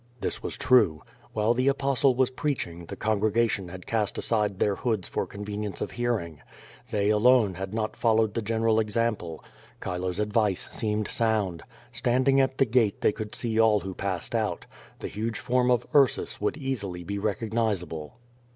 This was true. While the Apostle was preaching, the con gregation had cast aside their hoods for convenience of hear ing. They alone had not followed the general example. Chilo's advice seemed sound. Standing at the gate they could see all who passed out. The huge form of Ursus would easily be recognisable.